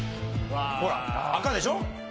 うわ。ほら赤でしょ？